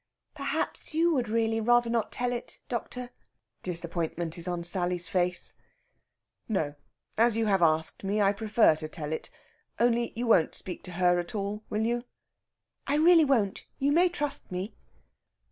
"Perhaps you would really rather not tell it, doctor." Disappointment is on Sally's face. "No. As you have asked me, I prefer to tell it. Only you won't speak to her at all, will you?" "I really won't. You may trust me."